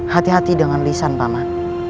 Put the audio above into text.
hati hati dengan lisan paman